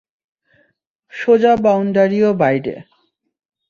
সোজা বাউনডারিও বাইরে।